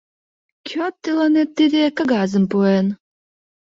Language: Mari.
— Кӧ тыланет тиде кагазым пуэн?